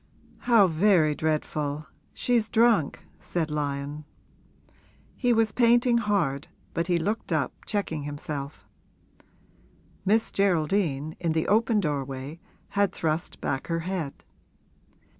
'How very dreadful she's drunk!' said Lyon. He was painting hard, but he looked up, checking himself: Miss Geraldine, in the open doorway, had thrust back her head.